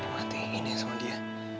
mati ini sama dia